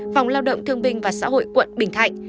phòng lao động thương binh và xã hội quận bình thạnh